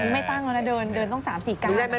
ไม่ตั้งนะเดินตั้ง๓๔การ